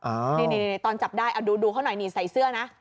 นี่ตอนจับได้เอาดูเขาหน่อยนี่ใส่เสื้อนะ